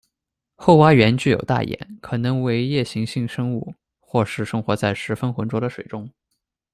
厚蛙螈具有大眼，可能为夜行性生物，或是生活在十分混浊的水中。